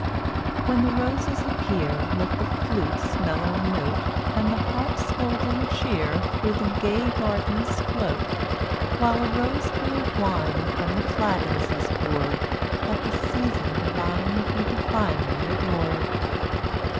0Utt<J 185 When the roses appear, dDYIitit Let the flute's mellow note And the harp's golden cheer \J*£' Through the gay gardens float, While a rose colored wine From the flagons is poured — That the season divine Be divinely adored.